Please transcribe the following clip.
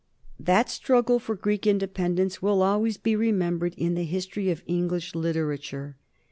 That struggle for Greek independence will always be remembered in the history of English literature.